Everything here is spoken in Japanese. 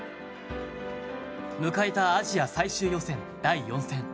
迎えたアジア最終予選第４戦。